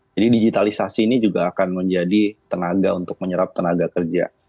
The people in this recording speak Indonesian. jadi digitalisasi ini juga akan menjadi tenaga untuk menyerap tenaga kerja